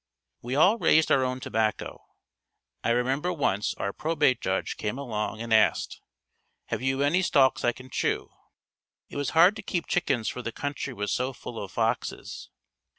We all raised our own tobacco. I remember once our Probate Judge came along and asked, "Have you any stalks I can chew?" It was hard to keep chickens for the country was so full of foxes.